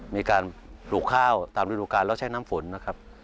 มีการปลูกข้าวตามฤดูการแล้วใช้น้ำฝนนะครับ